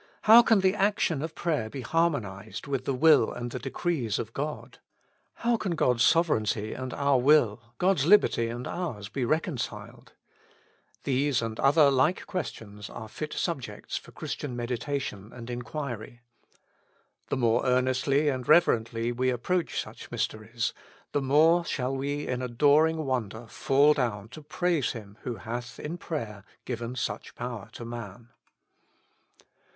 How can the action of prayer be harmonized with the will and the decrees of God? How can God's sovereignty and our will, God's lib erty and ours, be reconciled ?— these and other like questions are fit subjects for Christian meditation and inquiry. The more earnestly and reverently w^e ap proach such mysteries, the more shall we in adoring wonder fall down to praise Him who hath in prayer given such power to man.